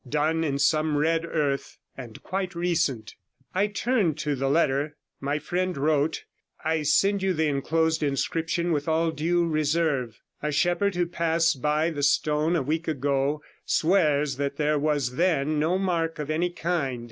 Done in some red earth, and quite recent. I turned to the letter. My friend wrote: 'I send you the enclosed inscription with all due reserve. A shepherd who passed by the stone a week ago swears that there was then no mark of any kind.